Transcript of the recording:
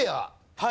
はい。